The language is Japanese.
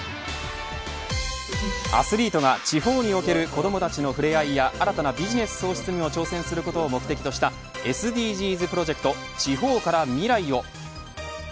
アスリートが地方における子どもたちとの触れ合いや新たなビジネス創出にも挑戦することを目的としたＳＤＧｓプロジェクト地方からミライを。